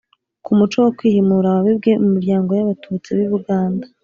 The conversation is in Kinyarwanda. ku muco wo kwihimura wabibwe mu miryango y'abatutsi b'i buganda